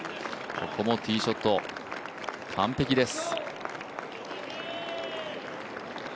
ここもティーショット完璧です。